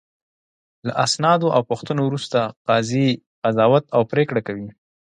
له اسنادو او پوښتنو وروسته قاضي قضاوت او پرېکړه کوي.